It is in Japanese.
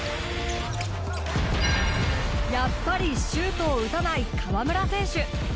やっぱりシュートを打たない河村選手。